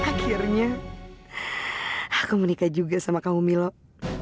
sekarang aku akan menikah sama kamu alam